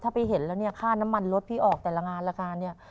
ถ้าไปเห็นแล้วเนี่ยค่าน้ำมันรถพี่ออกแต่ละงานราคาเนี่ย